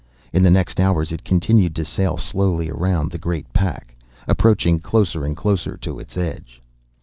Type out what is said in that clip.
In the next hours it continued to sail slowly around the great pack, approaching closer and closer to its edge.